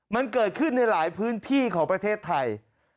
มันเกิดขึ้นในหลายพื้นที่ของประเทศไทย